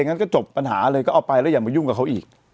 งั้นก็จบปัญหาเลยก็เอาไปแล้วอย่ามายุ่งกับเขาอีก